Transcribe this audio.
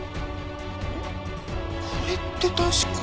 これって確か。